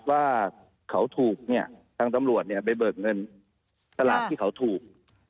ว่าเขาถูกทั้งตำรวจเวลาเปิดเงินทะเลียงเดือดที่เขาถูก